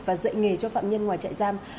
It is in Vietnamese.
và dạy nghề cho phạm nhân ngoài trại giam